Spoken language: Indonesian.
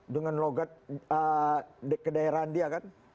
dengan logat kedaerahan dia kan